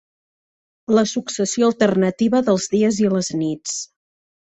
La successió alternativa dels dies i les nits.